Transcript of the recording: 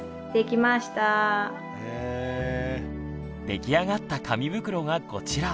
出来上がった紙袋がこちら。